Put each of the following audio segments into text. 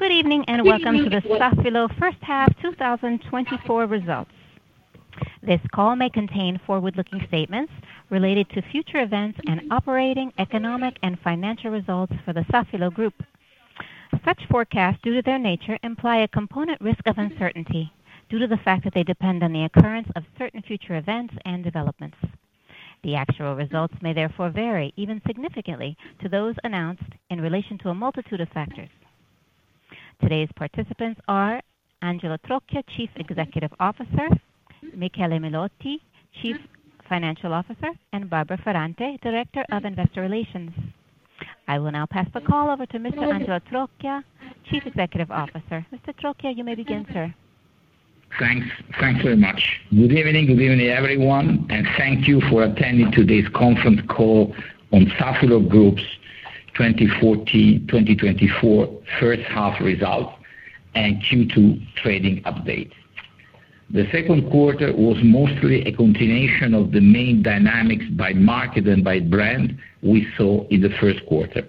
Good evening, and welcome to the Safilo first half 2024 results. This call may contain forward-looking statements related to future events and operating, economic, financial results for the Safilo Group. Such forecasts, due to their nature, imply a component risk of uncertainty due to the fact that they depend on the occurrence of certain future events and developments. The actual results may therefore vary, even significantly, to those announced in relation to a multitude of factors. Today's participants are Angelo Trocchia, Chief Executive Officer, Michele Melotti, Chief Financial Officer, and Barbara Ferrante, Director of Investor Relations. I will now pass the call over to Mr. Angelo Trocchia, Chief Executive Officer. Mr. Trocchia, you may begin, sir. Thanks. Thank you very much. Good evening, good evening, everyone, and thank you for attending today's conference call on Safilo Group's 2024 first half results and Q2 trading update. The second quarter was mostly a continuation of the main dynamics by market and by brand we saw in the first quarter.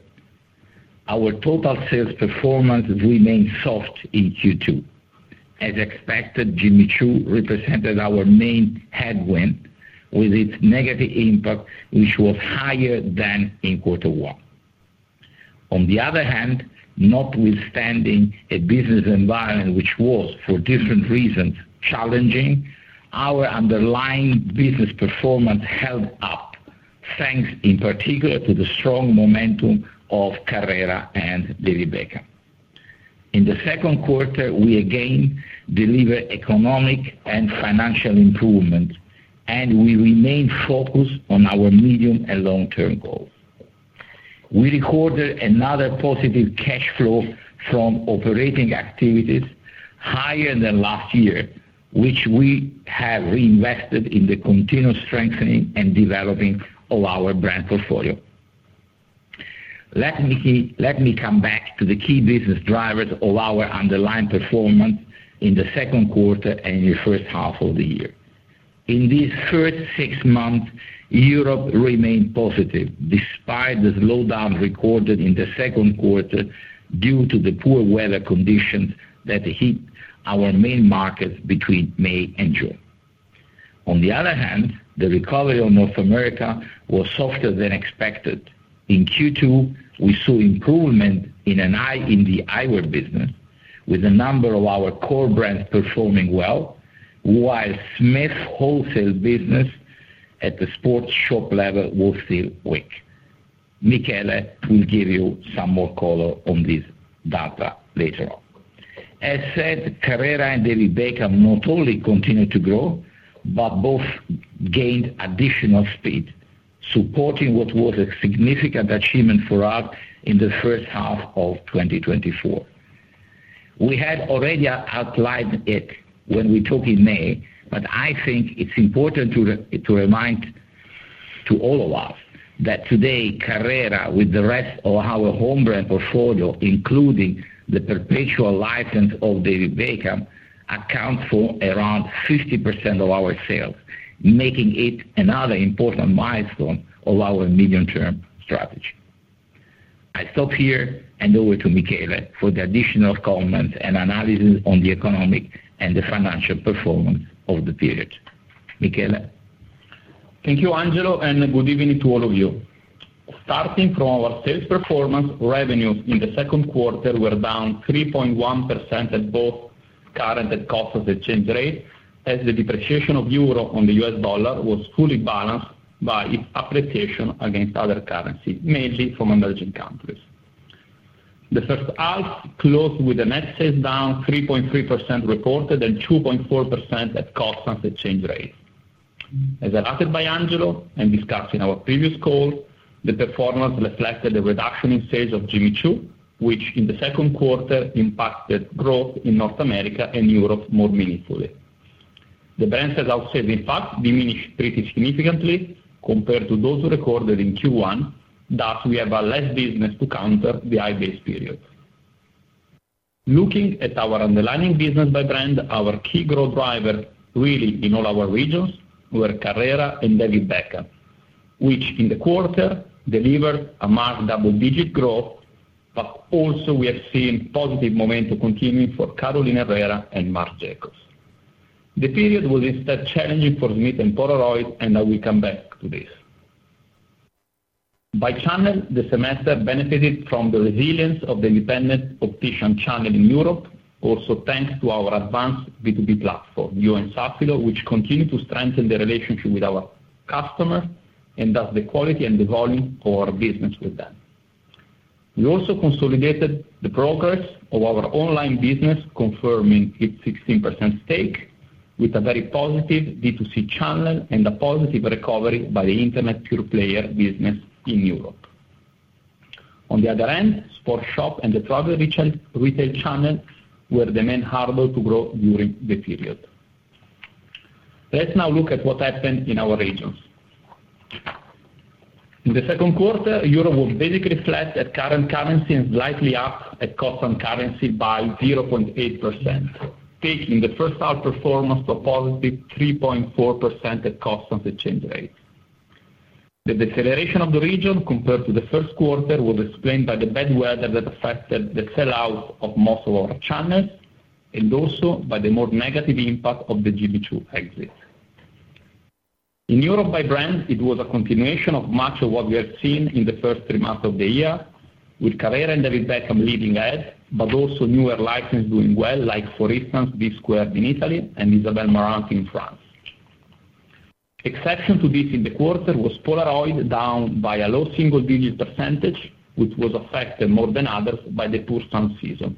Our total sales performance remained soft in Q2. As expected, Jimmy Choo represented our main headwind, with its negative impact, which was higher than in quarter one. On the other hand, notwithstanding a business environment which was, for different reasons, challenging, our underlying business performance held up, thanks in particular to the strong momentum of Carrera and David Beckham. In the second quarter, we again delivered economic and financial improvement, and we remain focused on our medium- and long-term goals. We recorded another positive cash flow from operating activities higher than last year, which we have reinvested in the continuous strengthening and developing of our brand portfolio. Let me come back to the key business drivers of our underlying performance in the second quarter and the first half of the year. In these first six months, Europe remained positive, despite the slowdown recorded in the second quarter due to the poor weather conditions that hit our main markets between May and June. On the other hand, the recovery of North America was softer than expected. In Q2, we saw improvement in the eyewear business, with a number of our core brands performing well, while Smith wholesale business at the sports shop level was still weak. Michele will give you some more color on this data later on. As said, Carrera and David Beckham not only continued to grow, but both gained additional speed, supporting what was a significant achievement for us in the first half of 2024. We had already outlined it when we talked in May, but I think it's important to remind to all of us, that today, Carrera, with the rest of our home brand portfolio, including the perpetual license of David Beckham, accounts for around 50% of our sales, making it another important milestone of our medium-term strategy. I stop here and over to Michele for the additional comments and analysis on the economic and the financial performance of the period. Michele? Thank you, Angelo, and good evening to all of you. Starting from our sales performance, revenues in the second quarter were down 3.1% at both current and constant exchange rates, as the depreciation of the euro against the U.S. dollar was fully balanced by its appreciation against other currencies, mainly from emerging countries. The first half closed with net sales down 3.3% reported, and 2.4% at constant exchange rate. As highlighted by Angelo and discussed in our previous call, the performance reflected the reduction in sales of Jimmy Choo, which in the second quarter impacted growth in North America and Europe more meaningfully. The brand's sell-out has, in fact, diminished pretty significantly compared to those recorded in Q1, thus we have less business to counter the high base period. Looking at our underlying business by brand, our key growth driver, really in all our regions, were Carrera and David Beckham, which in the quarter delivered a marked double-digit growth, but also we have seen positive momentum continuing for Carolina Herrera and Marc Jacobs. The period was instead challenging for Smith and Polaroid, and I will come back to this. By channel, the semester benefited from the resilience of the independent optician channel in Europe, also thanks to our advanced B2B platform, You&Safilo, which continue to strengthen the relationship with our customers and thus the quality and the volume of our business with them. We also consolidated the progress of our online business, confirming its 16% stake with a very positive B2C channel and a positive recovery by the internet pure player business in Europe. On the other hand, sports shop and the travel retail, retail channel were the main hurdle to grow during the period. Let's now look at what happened in our regions. In the second quarter, Europe was basically flat at current currency and slightly up at constant currency by 0.8%, taking the first half performance to a positive 3.4% at constant exchange rate. The deceleration of the region compared to the first quarter was explained by the bad weather that affected the sell-out of most of our channels, and also by the more negative impact of the Jimmy Choo exit. In Europe, by brand, it was a continuation of much of what we have seen in the first three months of the year, with Carrera and David Beckham leading ahead, but also newer licenses doing well, like, for instance, Boss in Italy and Isabel Marant in France. Exception to this in the quarter was Polaroid, down by a low single-digit %, which was affected more than others by the poor sun season,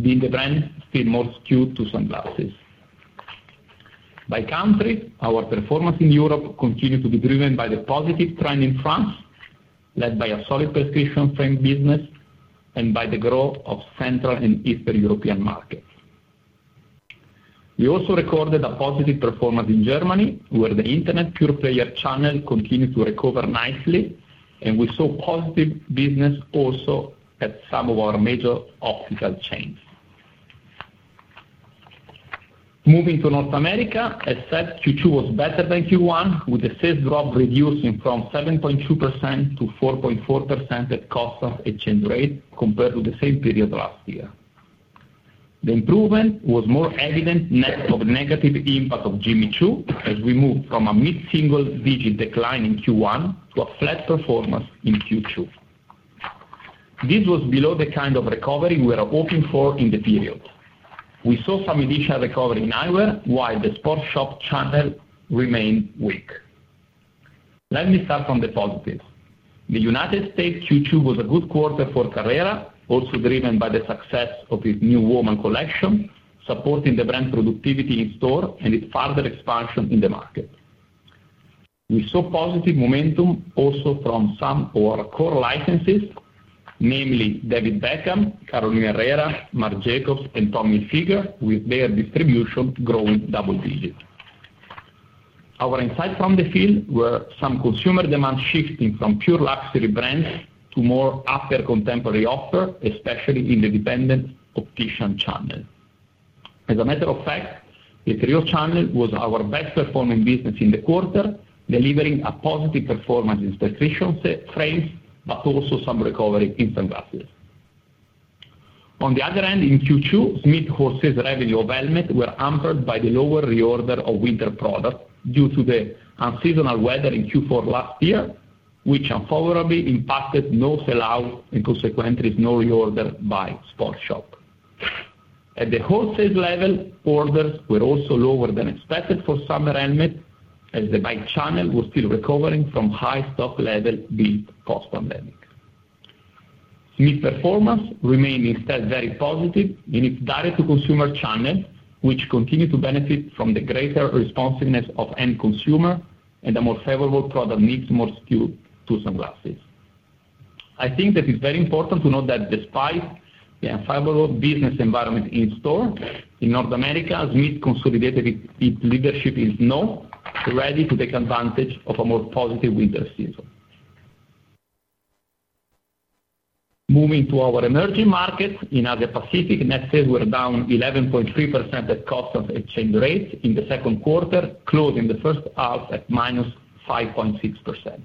being the brand still more skewed to sunglasses. By country, our performance in Europe continued to be driven by the positive trend in France, led by a solid prescription frame business and by the growth of Central and Eastern European markets. We also recorded a positive performance in Germany, where the internet pure player channel continued to recover nicely, and we saw positive business also at some of our major optical chains. Moving to North America, as said, Q2 was better than Q1, with the sales drop reducing from 7.2% to 4.4% at constant exchange rate compared to the same period last year. The improvement was more evident net of negative impact of Jimmy Choo, as we moved from a mid-single-digit decline in Q1 to a flat performance in Q2. This was below the kind of recovery we are hoping for in the period. We saw some initial recovery in eyewear, while the sports shop channel remained weak. Let me start from the positive. The United States, Q2 was a good quarter for Carrera, also driven by the success of its new women's collection, supporting the brand productivity in store and its further expansion in the market. We saw positive momentum also from some of our core licenses, namely David Beckham, Carolina Herrera, Marc Jacobs, and Tommy Hilfiger, with their distribution growing double-digits. Our insights from the field were some consumer demand shifting from pure luxury brands to more upper contemporary offer, especially in the independent optician channel. As a matter of fact, the retail channel was our best-performing business in the quarter, delivering a positive performance in prescription frames, but also some recovery in sunglasses. On the other hand, in Q2, Smith wholesale revenue for helmets was hampered by the lower reorder of winter products due to the unseasonal weather in Q4 last year, which unfavorably impacted our sell-out and consequently, our reorder by sports shops. At the wholesale level, orders were also lower than expected for summer helmets, as the bike channel was still recovering from high stock levels built post-pandemic. Smith performance remained instead very positive in its direct-to-consumer channel, which continued to benefit from the greater responsiveness of end consumer and a more favorable product mix, more skewed to sunglasses. I think that it's very important to note that despite the unfavorable business environment in store, in North America, Smith consolidated its leadership is now ready to take advantage of a more positive winter season. Moving to our emerging markets, in Asia Pacific, net sales were down 11.3% at constant exchange rate in the second quarter, closing the first half at -5.6%.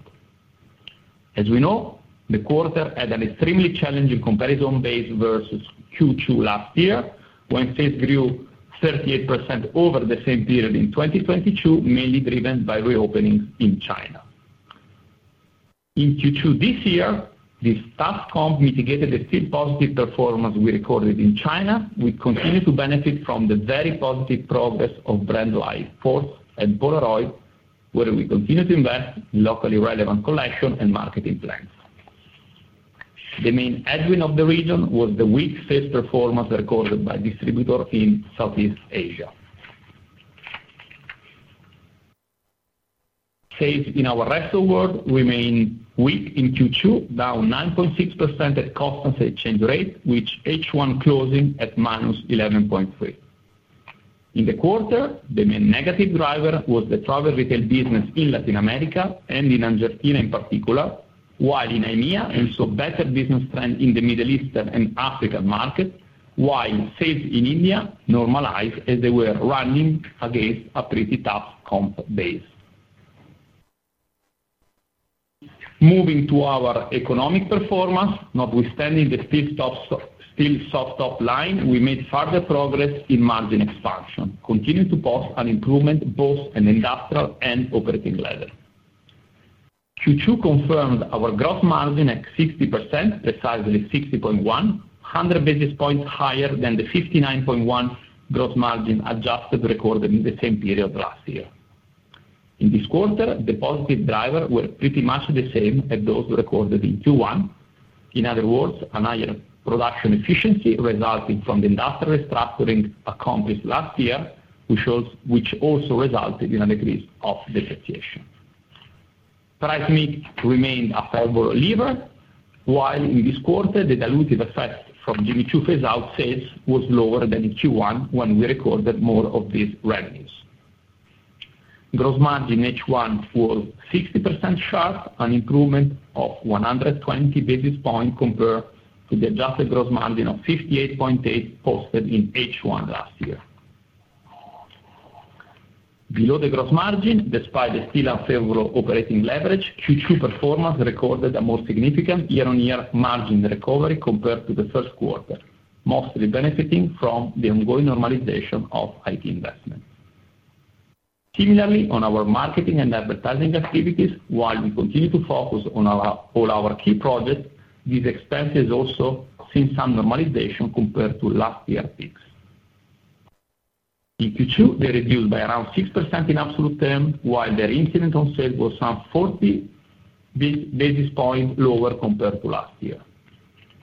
As we know, the quarter had an extremely challenging comparison base versus Q2 last year, when sales grew 38% over the same period in 2022, mainly driven by re-openings in China. In Q2 this year, the tough comp mitigated the still positive performance we recorded in China. We continue to benefit from the very positive progress of brands like Boss and Polaroid, where we continue to invest in locally relevant collection and marketing plans. The main headwind of the region was the weak sales performance recorded by distributor in Southeast Asia. Sales in our rest of world remain weak in Q2, down 9.6% at constant exchange rate, which H1 closing at -11.3%. In the quarter, the main negative driver was the travel retail business in Latin America and in Argentina in particular, while in EMEA, and so better business trend in the Middle Eastern and African market, while sales in India normalized as they were running against a pretty tough comp base. Moving to our economic performance, notwithstanding the still soft top line, we made further progress in margin expansion, continuing to post an improvement, both in industrial and operating level. Q2 confirmed our gross margin at 60%, precisely 60.1, 100 basis points higher than the 59.1 gross margin adjusted recorded in the same period last year. In this quarter, the positive driver were pretty much the same as those recorded in Q1. In other words, a higher production efficiency resulting from the industrial restructuring accomplished last year, which also resulted in a decrease of the depreciation. Price mix remained a favorable lever, while in this quarter, the dilutive effect from Jimmy Choo phase-out sales was lower than in Q1, when we recorded more of these revenues. Gross margin H1 was 60% sharp, an improvement of 120 basis points compared to the adjusted gross margin of 58.8, posted in H1 last year. Below the gross margin, despite the still unfavorable operating leverage, Q2 performance recorded a more significant year-on-year margin recovery compared to the first quarter, mostly benefiting from the ongoing normalization of IT investment. Similarly, on our marketing and advertising activities, while we continue to focus on our all our key projects, these expenses also seen some normalization compared to last year's peaks. In Q2, they reduced by around 6% in absolute terms, while their incidence on sale was some 40 basis points lower compared to last year.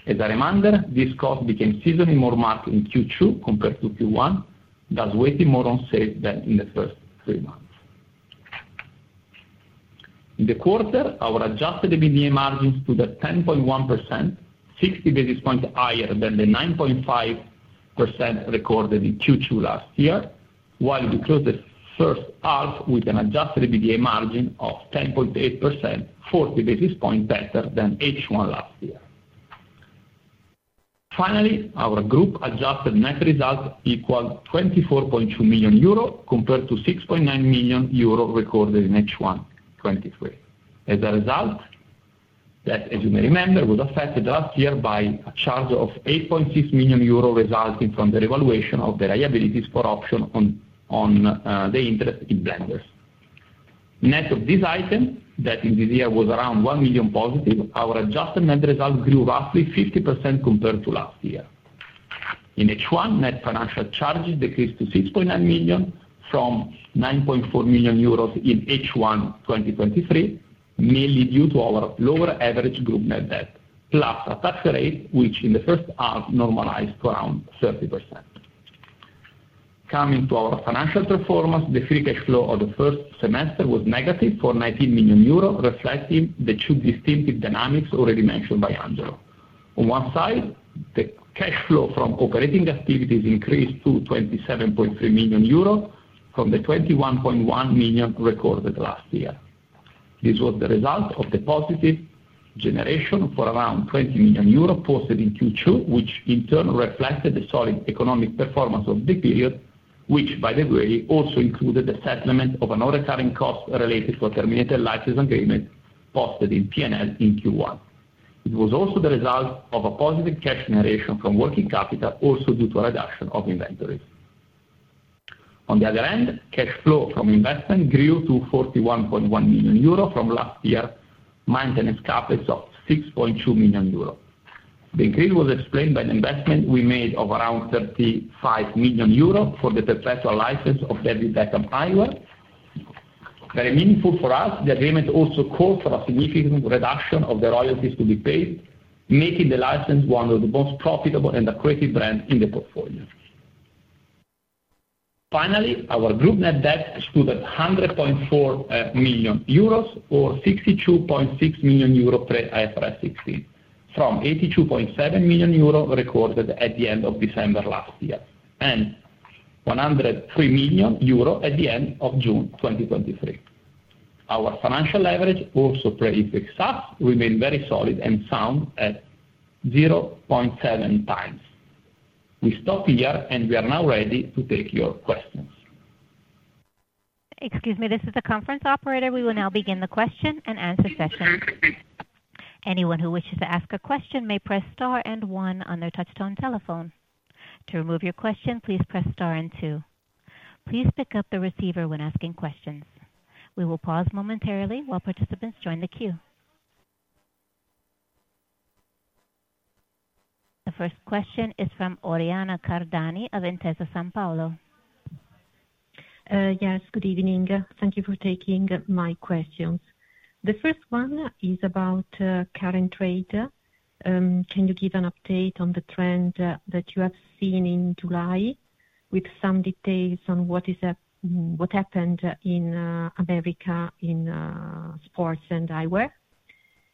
As a reminder, this cost became seasonally more marked in Q2 compared to Q1, thus weighing more on sales than in the first three months. In the quarter, our adjusted EBITDA margins to the 10.1%, 60 basis points higher than the 9.5% recorded in Q2 last year, while we closed the first half with an adjusted EBITDA margin of 10.8%, 40 basis points better than H1 last year. Finally, our group adjusted net results equaled 24.2 million euro, compared to 6.9 million euro recorded in H1 2023. As a result, that, as you may remember, was affected last year by a charge of 8.6 million euro, resulting from the revaluation of the liabilities for option on the interest in Blenders. Net of this item, that in this year was around +1 million, our adjusted net results grew roughly 50% compared to last year. In H1, net financial charges decreased to 6.9 million from 9.4 million euros in H1 2023, mainly due to our lower average group net debt, plus a tax rate, which in the first half normalized to around 30%. Coming to our financial performance, the free cash flow of the first semester was for -19 million euro, reflecting the two distinctive dynamics already mentioned by Angelo. On one side, the cash flow from operating activities increased toEUR 27.3 million from the 21.1 million recorded last year. This was the result of the positive generation for around 20 million euros posted in Q2, which in turn reflected the solid economic performance of the period, which by the way, also included the settlement of a non-recurring cost related to a terminated license agreement posted in P&L in Q1. It was also the result of a positive cash generation from working capital, also due to a reduction of inventories. On the other hand, cash flow from investment grew to 41.1 million euro from last year, maintenance CapEx of 6.2 million euro. The increase was explained by the investment we made of around 35 million euro for the perpetual license of David Beckham eyewear. Very meaningful for us, the agreement also called for a significant reduction of the royalties to be paid, making the license one of the most profitable and accredited brands in the portfolio. Finally, our group net debt stood at 100.4 million euros or 62.6 million euros pre IFRS 16, from 82.7 million euros recorded at the end of December last year, and 103 million euros at the end of June 2023. Our financial leverage, also pre-IFRS 16, remained very solid and sound at 0.7 times. We stop here, and we are now ready to take your questions. Excuse me, this is the conference operator. We will now begin the question-and-answer session. Anyone who wishes to ask a question may press Star and One on their touchtone telephone. To remove your question, please press Star and Two. Please pick up the receiver when asking questions. We will pause momentarily while participants join the queue. The first question is from Oriana Cardani of Intesa Sanpaolo. Yes, good evening. Thank you for taking my questions. The first one is about current trade. Can you give an update on the trend that you have seen in July, with some details on what is what happened in America, in sports and eyewear?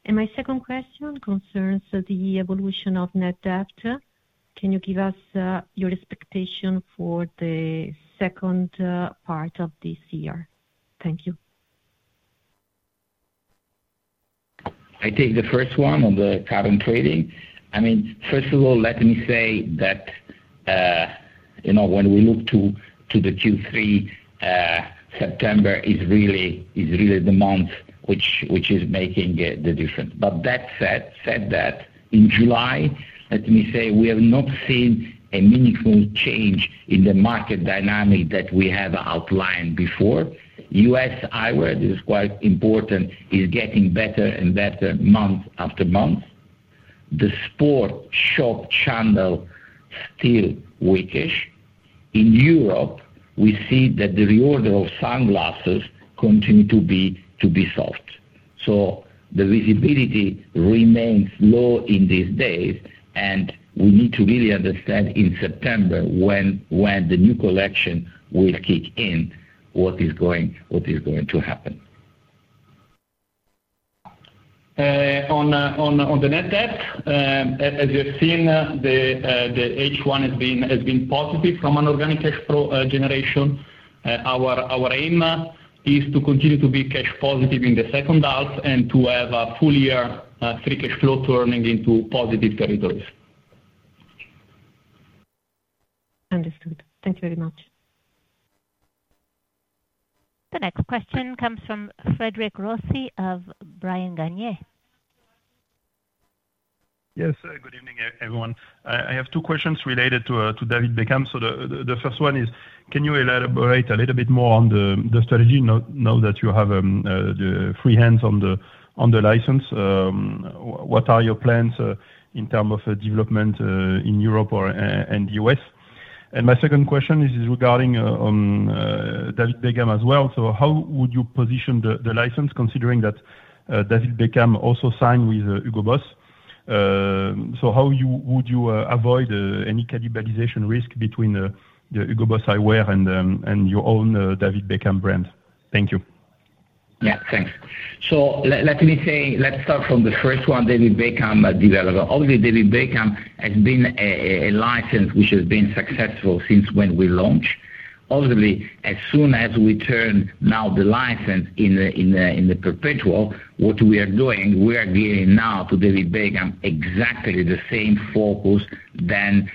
And my second question concerns the evolution of net debt. Can you give us your expectation for the second part of this year? Thank you. I take the first one on the current trading. I mean, first of all, let me say that, you know, when we look to the Q3, September is really the month which is making the difference. But that said, in July, let me say we have not seen a meaningful change in the market dynamic that we have outlined before. U.S. eyewear is quite important, is getting better and better month after month. The sport shop channel, still weakish. In Europe, we see that the reorder of sunglasses continue to be soft. So the visibility remains low in these days, and we need to really understand in September when the new collection will kick in, what is going to happen. On the net debt, as you have seen, the H1 has been positive from an organic cash flow generation. Our aim is to continue to be cash positive in the second half and to have a full-year free cash flow turning into positive territories.... Understood. Thank you very much. The next question comes from Cédric Rossi of Bryan Garnier. Yes, good evening, everyone. I have two questions related to David Beckham. So the first one is, can you elaborate a little bit more on the strategy now that you have the free hands on the license? What are your plans in term of development in Europe or and the U.S.? And my second question is regarding on David Beckham as well. So how would you position the license considering that David Beckham also signed with Hugo Boss? So how would you avoid any cannibalization risk between the Hugo Boss eyewear and and your own David Beckham brand? Thank you. Yeah, thanks. So let me say, let's start from the first one, David Beckham development. Obviously, David Beckham has been a license which has been successful since when we launched. Obviously, as soon as we turn now the license in the perpetual, what we are doing, we are giving now to David Beckham exactly the same focus than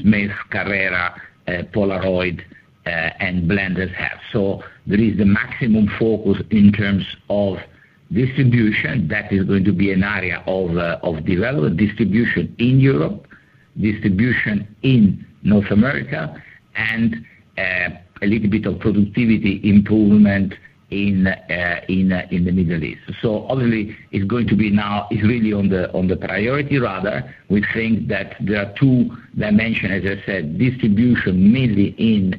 Smith, Carrera, Polaroid, and Blenders have. So there is the maximum focus in terms of distribution, that is going to be an area of development. Distribution in Europe, distribution in North America, and a little bit of productivity improvement in the Middle East. So obviously, it's going to be now. It's really on the priority radar. We think that there are two dimensions, as I said: distribution, mainly in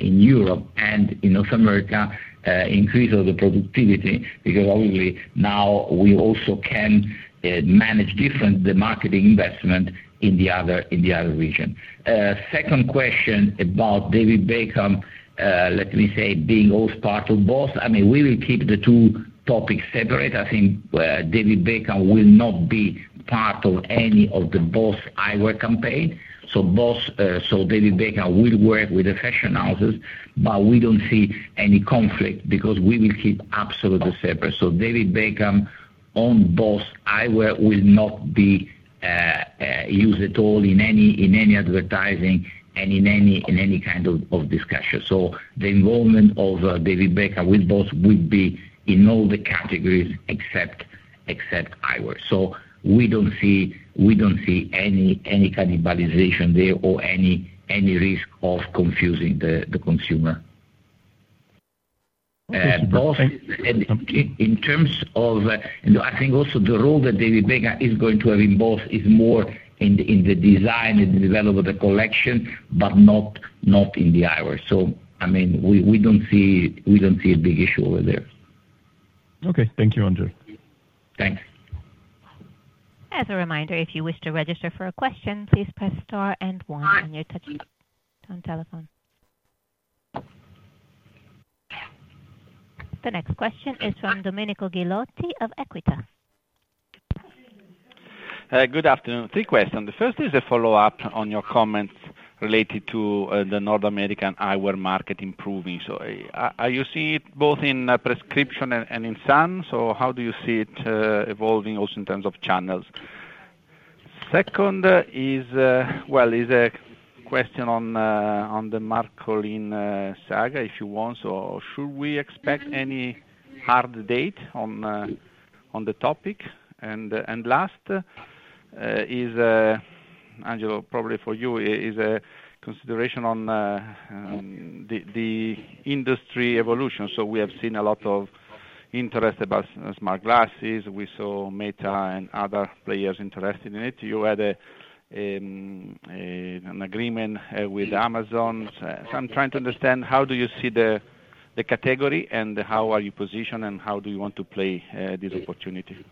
Europe and in North America, increase of the productivity, because obviously, now we also can manage different the marketing investment in the other region. Second question about David Beckham, let me say, being all part of Boss, I mean, we will keep the two topics separate. I think, David Beckham will not be part of any of the Boss eyewear campaign. So Boss, so David Beckham will work with the fashion houses, but we don't see any conflict because we will keep absolutely separate. So David Beckham on Boss eyewear will not be used at all in any advertising and in any kind of discussion. So the involvement of David Beckham with Boss will be in all the categories except eyewear. So we don't see any cannibalization there or any risk of confusing the consumer. Thank you. Boss, and in terms of, I think also the role that David Beckham is going to have in Boss is more in the design and development of the collection, but not in the eyewear. So, I mean, we don't see a big issue over there. Okay. Thank you, Angelo. Thanks. As a reminder, if you wish to register for a question, please press star and one on your touchtone telephone. The next question is from Domenico Ghilotti of Equita. Good afternoon. Three questions. The first is a follow-up on your comments related to the North American eyewear market improving. So are you seeing it both in prescription and in sun? So how do you see it evolving also in terms of channels? Second is, well, a question on the Marcolin saga, if you want. So should we expect any hard date on the topic? And last, Angelo, probably for you, is a consideration on the industry evolution. So we have seen a lot of interest about smart glasses. We saw Meta and other players interested in it. You had an agreement with Amazon. I'm trying to understand, how do you see the category, and how are you positioned, and how do you want to play this opportunity?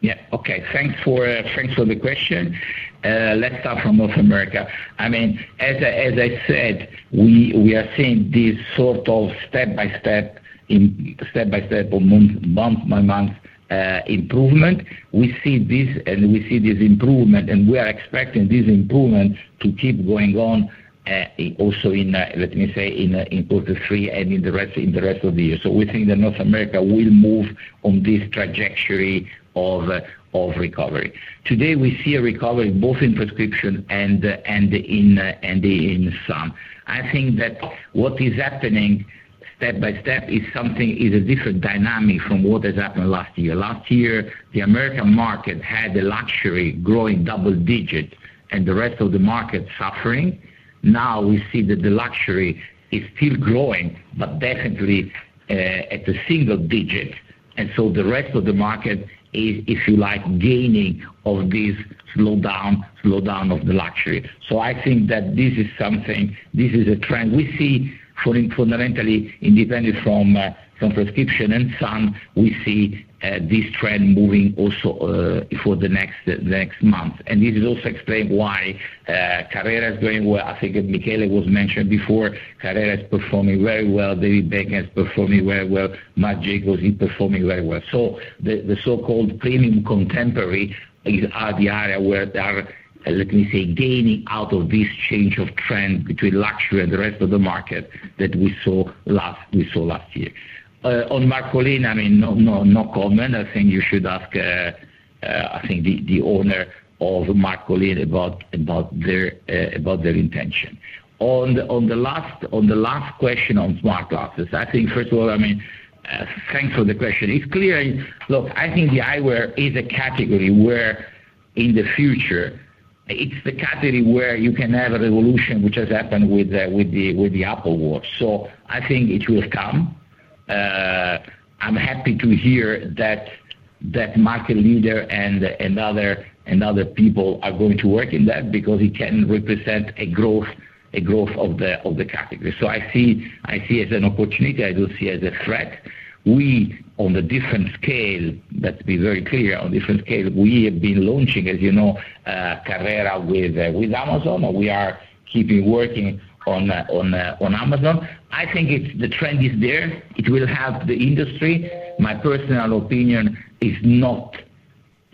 Yeah. Okay. Thanks for the question. Let's start from North America. I mean, as I said, we are seeing this sort of step-by-step or month-by-month improvement. We see this improvement, and we are expecting this improvement to keep going on, also in, let me say, in quarter three and in the rest of the year. So we think that North America will move on this trajectory of recovery. Today, we see a recovery both in prescription and in sun. I think that what is happening step by step is something, a different dynamic from what has happened last year. Last year, the American market had a luxury growing double-digit and the rest of the market suffering. Now, we see that the luxury is still growing, but definitely at a single-digit. And so the rest of the market is, if you like, gaining of this slowdown, slowdown of the luxury. So I think that this is something, this is a trend we see fundamentally, independent from from prescription and sun, we see this trend moving also for the next, the next month. And this is also explain why Carrera is going well. I think Michele was mentioned before, Carrera is performing very well. David Beckham is performing very well. Marc Jacobs is performing very well. So the so-called premium contemporary is, are the area where they are, let me say, gaining out of this change of trend between luxury and the rest of the market that we saw last, we saw last year. On Marcolin, I mean, no, no, no comment. I think you should ask, I think the, the owner of Marcolin about, about their, about their intention. On the, on the last, on the last question on smart glasses. I think, first of all, I mean, thanks for the question. It's clear, and look, I think the eyewear is a category where in the future, it's the category where you can have a revolution, which has happened with the, with the, with the Apple Watch. So I think it will come. I'm happy to hear that, that market leader and, and other, and other people are going to work in that because it can represent a growth, a growth of the, of the category. So I see, I see it as an opportunity. I don't see it as a threat. We, on a different scale, let's be very clear, on a different scale, we have been launching, as you know, Carrera with Amazon, and we are keeping working on Amazon. I think it's... The trend is there. It will help the industry. My personal opinion is not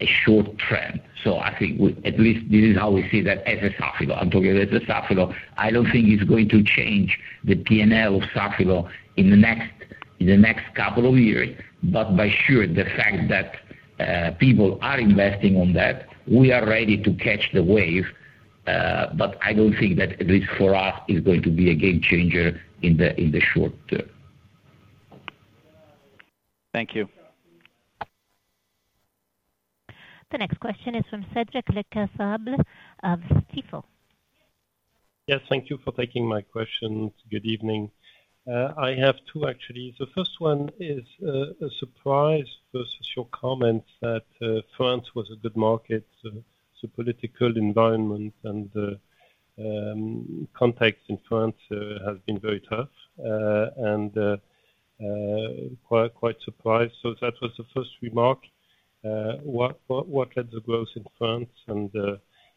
a short trend, so I think at least this is how we see that as a Safilo. I'm talking as a Safilo. I don't think it's going to change the P&L of Safilo in the next couple of years, but for sure, the fact that people are investing on that, we are ready to catch the wave. But I don't think that at least for us, it's going to be a game changer in the short-term. Thank you. The next question is from Cedric Lecasble of Stifel. Yes, thank you for taking my question. Good evening. I have two, actually. The first one is a surprise versus your comments that France was a good market. So political environment and the context in France has been very tough, and quite surprised. So that was the first remark. What led the growth in France, and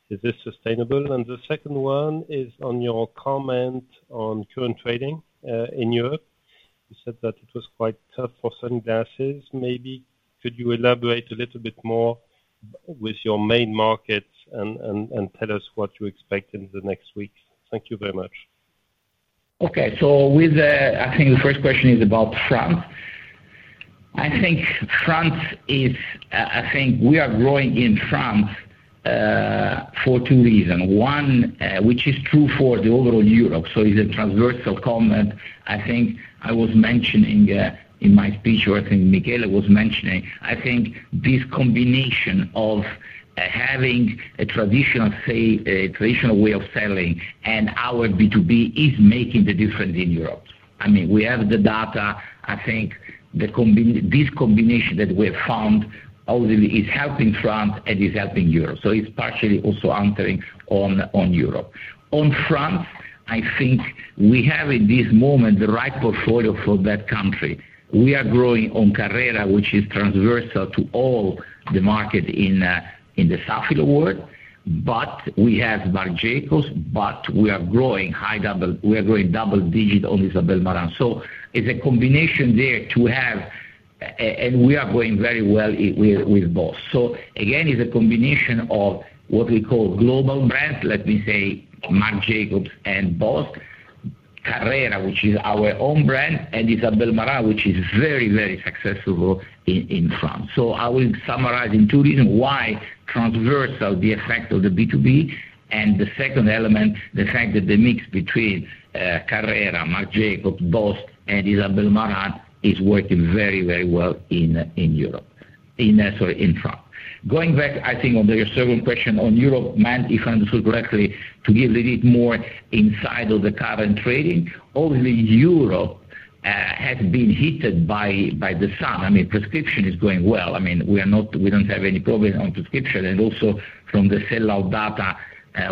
is this sustainable? And the second one is on your comment on current trading in Europe. You said that it was quite tough for sunglasses. Maybe could you elaborate a little bit more with your main markets and tell us what you expect in the next weeks? Thank you very much. Okay. So with the I think the first question is about France. I think France is, I think we are growing in France, for two reasons. One, which is true for the overall Europe, so it's a transversal comment. I think I was mentioning, in my speech, or I think Michele was mentioning, I think this combination of, having a traditional say, a traditional way of selling and our B2B is making the difference in Europe. I mean, we have the data. I think this combination that we have found obviously is helping France and is helping Europe. So it's partially also answering on Europe. On France, I think we have, in this moment, the right portfolio for that country. We are growing on Carrera, which is transversal to all the market in the Safilo world. But we have Marc Jacobs, but we are growing high double... We are growing double-digit on Isabel Marant. So it's a combination there to have, and we are growing very well with, with Boss. So again, it's a combination of what we call global brands, let me say Marc Jacobs and Boss. Carrera, which is our own brand, and Isabel Marant, which is very, very successful in, in France. So I will summarize in two reasons why transversal, the effect of the B2B, and the second element, the fact that the mix between, Carrera, Marc Jacobs, Boss and Isabel Marant is working very, very well in, in Europe, in, sorry, in France. Going back, I think on your second question on Europe, Matt, if I understood correctly, to give a little more insight on the current trading, obviously Europe, has been hit by, by the sun. I mean, prescription is going well. I mean, we are not—we don't have any problem on prescription, and also from the sellout data,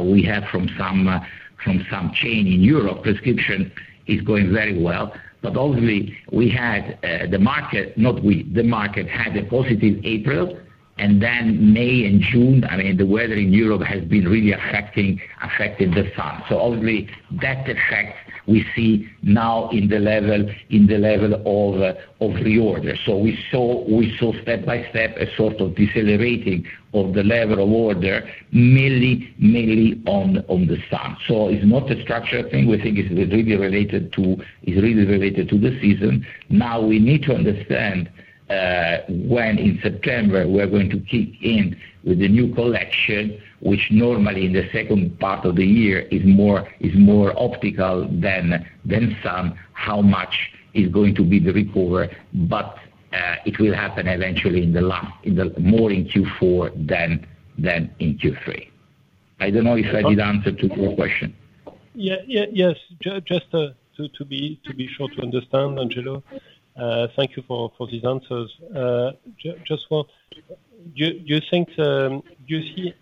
we have from some chain in Europe, prescription is going very well. But obviously, we had the market, not we, the market had a positive April, and then May and June, I mean, the weather in Europe has been really affecting, affecting the sun. So obviously that effect we see now in the level, in the level of reorder. So we saw, we saw step by step, a sort of decelerating of the level of order, mainly, mainly on the sun. So it's not a structure thing. We think it's really related to, it's really related to the season. Now we need to understand when in September we're going to kick in with the new collection, which normally in the second part of the year is more optical than sun, how much is going to be the recovery, but it will happen eventually more in Q4 than in Q3. I don't know if I did answer to your question. Yeah. Yes, just to be sure to understand, Angelo, thank you for these answers. Just what do you think you see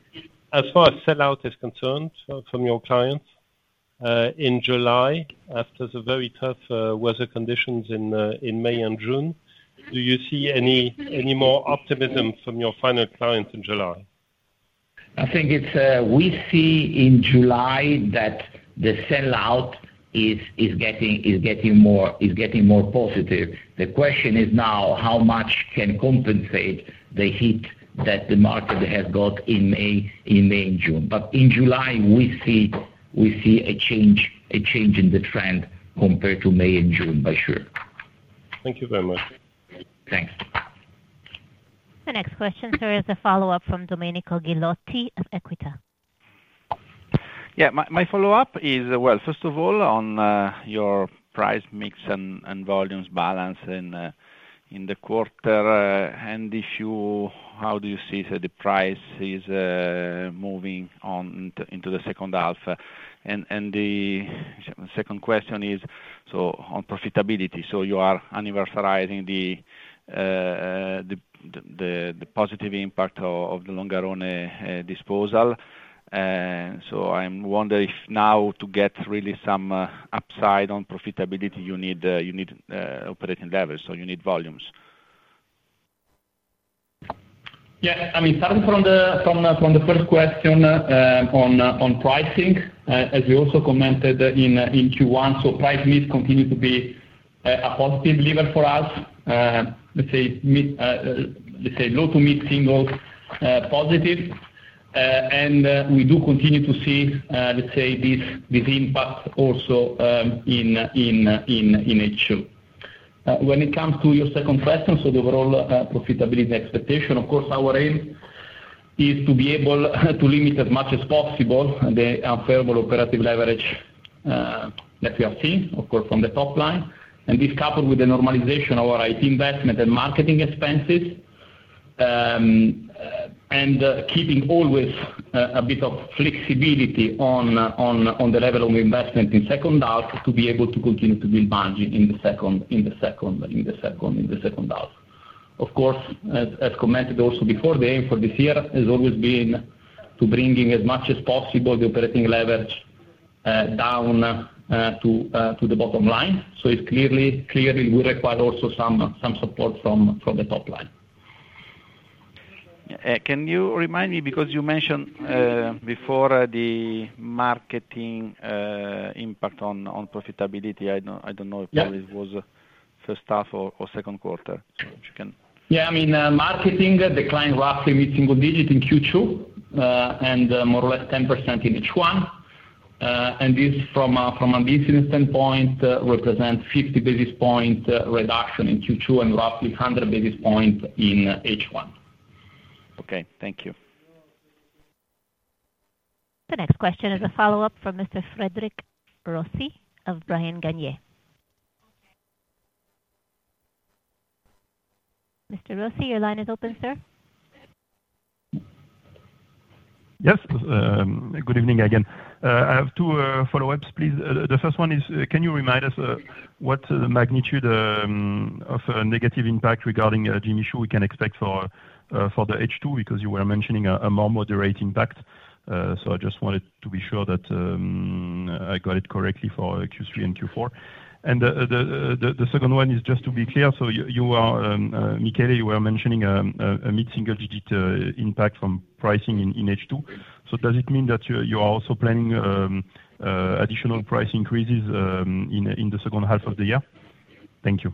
as far as sellout is concerned from your clients in July, after the very tough weather conditions in May and June, do you see any more optimism from your final clients in July? I think it's we see in July that the sellout is getting more positive. The question is now, how much can compensate the heat that the market has got in May and June? But in July, we see a change in the trend compared to May and June, for sure. Thank you very much. Thanks.... The next question, sir, is a follow-up from Domenico Ghilotti of Equita. Yeah. My, my follow-up is, well, first of all, on your price mix and volumes balance in the quarter, and if you, how do you see the price is moving on into the second half? And the second question is, so on profitability. So you are anniversarizing the positive impact of the Longarone disposal. So I'm wondering if now to get really some upside on profitability, you need, you need operating leverage, so you need volumes. Yeah. I mean, starting from the first question, on pricing, as we also commented in Q1, so price mix continues to be a positive lever for us. Let's say low to mid-single positive. And we do continue to see, let's say, this impact also in H2. When it comes to your second question, so the overall profitability expectation, of course, our aim is to be able to limit as much as possible the unfavorable operating leverage that we have seen, of course, from the top line. This, coupled with the normalization of our IT investment and marketing expenses, and keeping always a bit of flexibility on the level of investment in second half, to be able to continue to build margin in the second half. Of course, as commented also before, the aim for this year has always been to bringing as much as possible the operating leverage down to the bottom line. So it clearly will require also some support from the top line. Can you remind me, because you mentioned before, the marketing impact on profitability. I don't know- Yeah. -if it was first half or second quarter. So if you can- Yeah, I mean, marketing declined roughly mid-single-digit in Q2, and more or less 10% in H1. And this, from a business standpoint, represents 50 basis points reduction in Q2 and roughly 100 basis points in H1. Okay, thank you. The next question is a follow-up from Mr. Cédric Rossi of Bryan Garnier. Mr. Rossi, your line is open, sir. Yes, good evening again. I have two follow-ups, please. The first one is, can you remind us what the magnitude of a negative impact regarding Jimmy Choo we can expect for the H2? Because you were mentioning a more moderate impact. So I just wanted to be sure that I got it correctly for Q3 and Q4. And the second one is just to be clear, so you are, Michele, you were mentioning a mid-single-digit impact from pricing in H2. So does it mean that you are also planning additional price increases in the second half of the year? Thank you.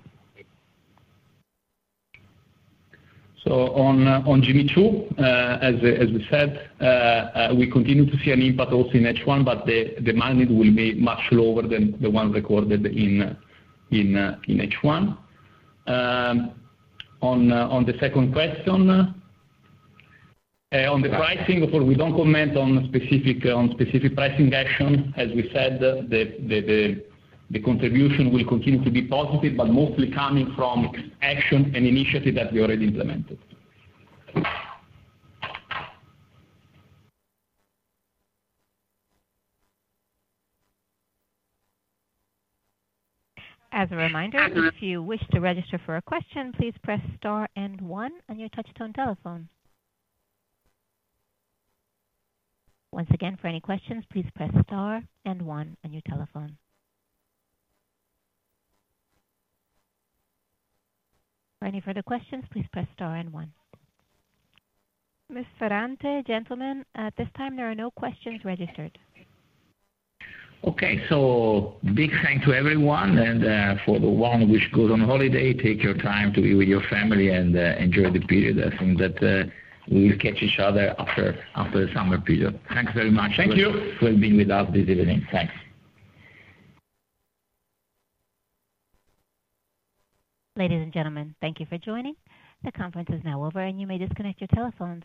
So on Jimmy Choo, as we said, we continue to see an impact also in H1, but the magnitude will be much lower than the one recorded in H1. On the second question, on the pricing of... We don't comment on specific pricing action. As we said, the contribution will continue to be positive, but mostly coming from action and initiative that we already implemented. As a reminder, if you wish to register for a question, please press star and one on your touch-tone telephone. Once again, for any questions, please press star and one on your telephone. For any further questions, please press star and one. Ms. Ferrante, gentlemen, at this time, there are no questions registered. Okay, so big thanks to everyone, and for the one which goes on holiday, take your time to be with your family and enjoy the period. I think that we will catch each other after the summer period. Thanks very much. Thank you! For being with us this evening. Thanks. Ladies and gentlemen, thank you for joining. The conference is now over, and you may disconnect your telephones.